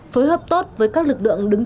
phối hợp tốt với các đối tượng